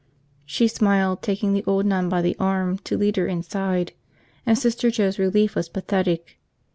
She smiled, taking the old nun by the arm to lead her inside, and Sister Joe's relief was pathetic.